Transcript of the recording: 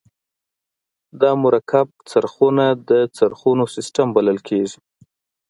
دا مرکب څرخونه د څرخونو سیستم بلل کیږي.